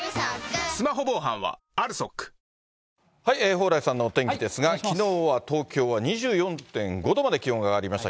蓬莱さんのお天気ですが、きのうは東京は２４．５度まで気温が上がりました。